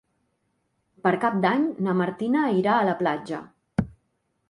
Per Cap d'Any na Martina irà a la platja.